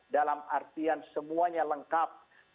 dalam artian semuanya lengkap